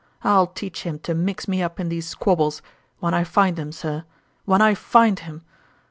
" I'll teach him to mix me up in these squabbles, when I find him, sir when I find him!